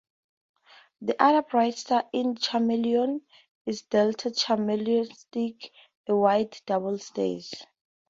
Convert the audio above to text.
The other bright star in Chamaeleon is Delta Chamaeleontis, a wide double star.